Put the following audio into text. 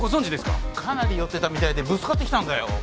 かなり酔ってたみたいでぶつかってきたんだよ